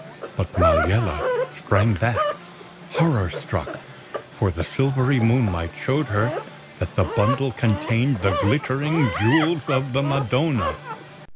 But Maliella sprang back, horror struck; for the silvery moonlight showed her that the bundle contained the glittering Jewels of the Madonna!